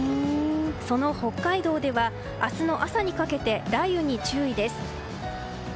その北海道では明日の朝にかけて雷雨に注意です。